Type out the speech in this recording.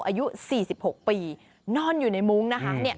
อายุ๔๖ปีนอนอยู่ในมุ้งนะคะ